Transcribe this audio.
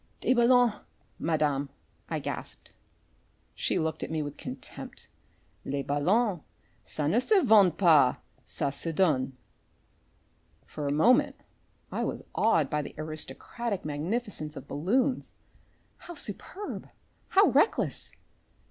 "Des ballons, Madame," I gasped. She looked at me with contempt, "Les ballons, ca ne se vend pas, ca se donne." For a moment I was awed by the aristocratic magnificence of balloons. How superb, how reckless!